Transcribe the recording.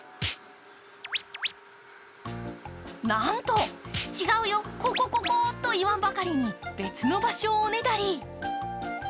なんと「違うよ、ここ、ここ」と言わんばかりに、別の場所をおねだり。